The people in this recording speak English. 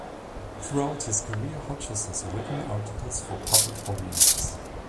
Throughout his career Hodges has written articles for public audiences.